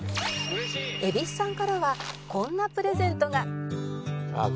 「蛭子さんからはこんなプレゼントが」あっ！